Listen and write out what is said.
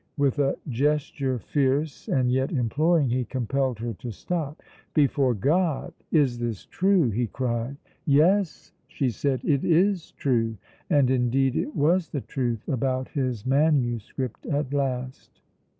With a gesture fierce and yet imploring, he compelled her to stop. "Before God, is this true?" he cried. "Yes," she said, "it is true"; and, indeed, it was the truth about his manuscript at last.